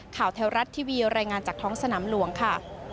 แถวรัฐทีวีรายงานจากท้องสนามหลวงค่ะ